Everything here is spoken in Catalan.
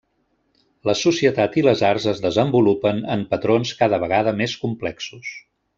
La societat i les arts es desenvolupen en patrons cada vegada més complexos.